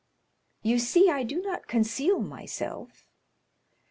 "You see, I do not conceal myself."